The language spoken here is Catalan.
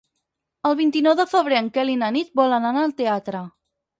El vint-i-nou de febrer en Quel i na Nit volen anar al teatre.